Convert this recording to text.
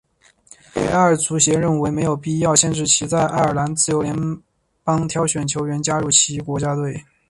北爱足协认为没有必要限制其在爱尔兰自由邦挑选球员加入其国家队。